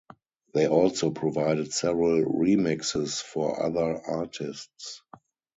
They also provided several re-mixes for other artists.